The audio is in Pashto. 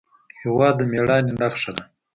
هېواد د مېړانې نښه ده.